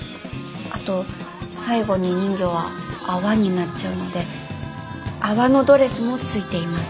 あと最後に人魚は泡になっちゃうので泡のドレスも付いています。